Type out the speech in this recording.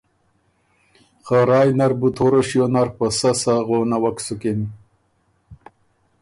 خه رایٛ نر بُو توره شیو نر په سۀ سۀ غونوک سُکِن۔